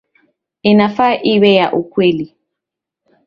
Inafaa iwe ya ukweli.